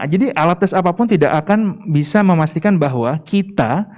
jadi alat tes apapun tidak akan bisa memastikan bahwa kita